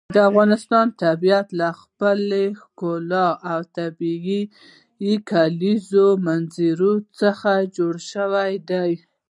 د افغانستان طبیعت له خپلې ښکلې او طبیعي کلیزو منظره څخه جوړ شوی دی.